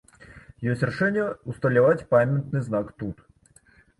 Ёсць рашэнне ўсталяваць памятны знак тут.